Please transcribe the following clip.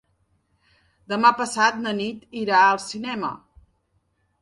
Demà passat na Nit irà al cinema.